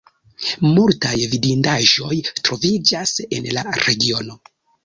Multaj vidindaĵoj troviĝas en la regiono.